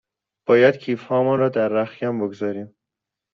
باید کیف هامان را در رختکن بگذاریم.